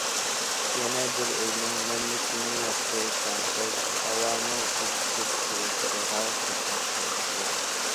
يەنە بىرى، ئۆينىڭ نەملىكىنى ياخشى تەڭشەش، ھاۋانىڭ ئۆتۈشۈپ تۇرۇشىغا دىققەت قىلىش كېرەك.